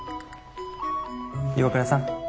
岩倉さん